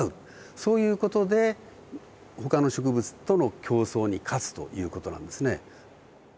そういう事でほかの植物との競争に勝つという事なんですね。